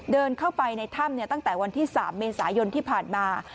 เดินเข้าไปในถ้ำตั้งแต่วันที่๓เมษายนที่ผ่านมา